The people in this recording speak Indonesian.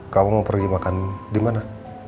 kamu mau pergi makan di mana